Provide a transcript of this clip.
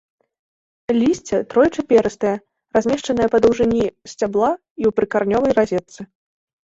Лісце тройчы перыстае, размешчанае па даўжыні сцябла і ў прыкаранёвай разетцы.